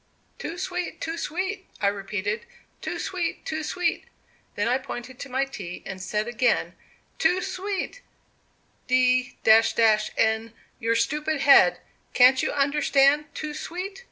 "'Too sweet, too sweet,' I repeated, 'too sweet, too sweet.' Then I pointed to my tea, and said again, 'Too sweet, d n your stupid head, can't you understand too sweet?